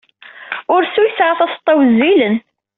Ursu yesɛa taseḍḍa wezzilen.